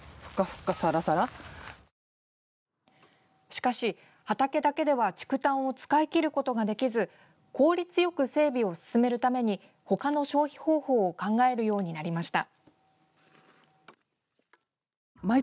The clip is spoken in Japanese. しかし畑だけでは竹炭を使い切ることができず効率よく整備を進めるために他の消費方法を考えるようになりました。